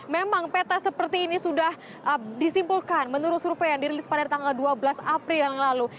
memang peta seperti ini sudah disimpulkan menurut survei yang dirilis pada tanggal dua belas april yang lalu